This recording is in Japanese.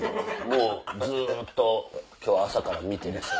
もうずっと今日朝から見て。